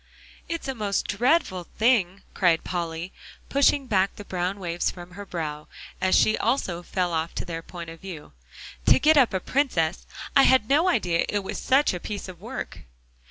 "It's a most dreadful thing," cried Polly, pushing back the brown waves from her brow, as she also fell off to their point of view, "to get up a princess. I had no idea it was such a piece of work."